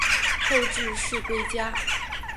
后致仕归家。